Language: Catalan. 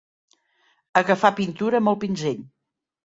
Agafar pintura amb el pinzell.